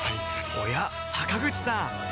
おや坂口さん